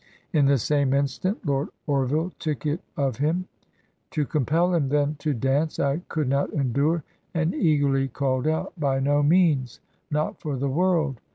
In the same instant Lord Orville took it of him. ... To compel him then to dance I could not endure, and eagerly called out, ' By no means — not for the world!